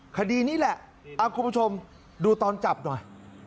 คดีนี้แหละคุณผู้ชมดูตอนจับหน่อย